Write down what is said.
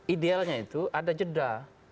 idealnya itu ada jeda